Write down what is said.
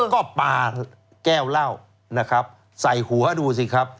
พอไม่กินก็ปาแก้วเหล้านะครับใส่หัวดูสิครับ